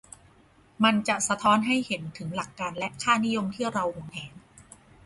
มันจะสะท้อนให้เห็นถึงหลักการและค่านิยมที่เราหวงแหน